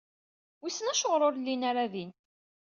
Wissen Acuɣer ur llin ara din.